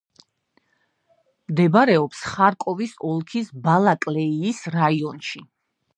მდებარეობს ხარკოვის ოლქის ბალაკლეიის რაიონში.